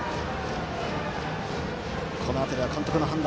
この辺りは監督の判断